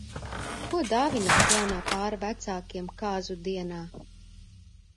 Ko dāvināt jaunā pāra vecākiem kāzu dienā?